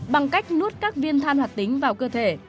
bằng cách nuốt các viên than hòa tính vào cơ thể